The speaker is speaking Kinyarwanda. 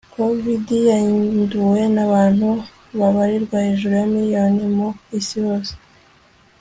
covid- yanduwe n' abantu babarirwa hejuru ya miliyoni mu isi hose